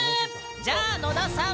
じゃあ野田さん。